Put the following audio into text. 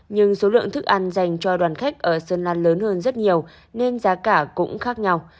nhưng số lượng thức ăn dành cho đoàn khách ở sơn lan lớn hơn rất nhiều nên giá cả cũng khác nhau